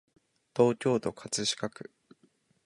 東京都葛飾区